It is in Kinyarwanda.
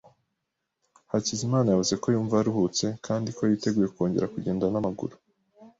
Hakizimana yavuze ko yumva aruhutse kandi ko yiteguye kongera kugenda n'amaguru.